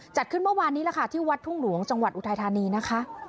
จัดขึ้นเมื่อวานนี้แหละค่ะที่วัดทุ่งหลวงจังหวัดอุทัยธานีนะคะ